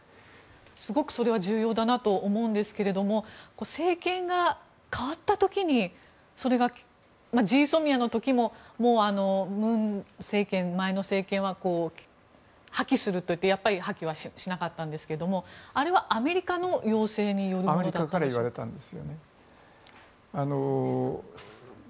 すごくそれは重要だなと思うんですけれども政権が代わった時にそれがＧＳＯＭＩＡの時ももう前の文政権では破棄するといってやっぱり破棄はしなかったんですがあれはアメリカの要請によるものだったんでしょうか。